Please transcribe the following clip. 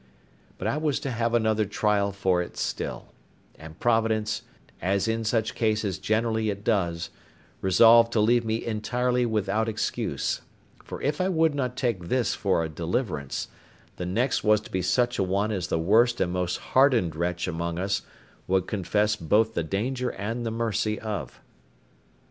But I was to have another trial for it still; and Providence, as in such cases generally it does, resolved to leave me entirely without excuse; for if I would not take this for a deliverance, the next was to be such a one as the worst and most hardened wretch among us would confess both the danger and the mercy of.